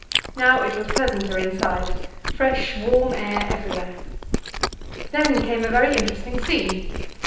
Now it was pleasanter inside fresh, warm air everywhere. Then came a very interesting scene.